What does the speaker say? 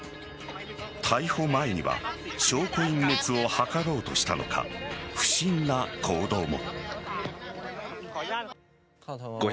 逮捕前には証拠隠滅を図ろうとしたのか不審な行動も。